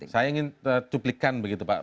saya ingin cuplikan begitu pak